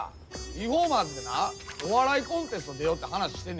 リフォーマーズでなお笑いコンテスト出ようって話してんねんけど。